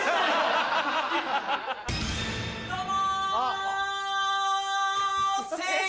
どうも！